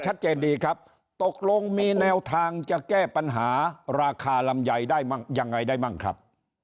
ชัดเจนดีครับตกลงมีแนวทางจะแก้ปัญหาราคาลำไยได้ยังไงได้มั่งครับ